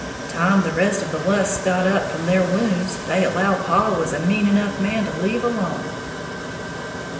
Time the rest of the Lusks got up from their wounds, they allowed paw was a mean enough man to leave alone."